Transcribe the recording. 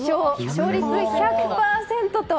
勝率１００％。